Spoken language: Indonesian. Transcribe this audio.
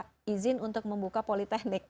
saya diizinkan untuk membuka politeknik